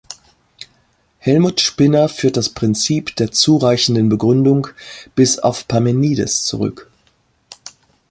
Helmut Spinner führt das "Prinzip der zureichenden Begründung" bis auf Parmenides zurück.